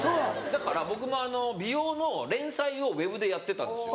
だから僕も美容の連載をウェブでやってたんですよ。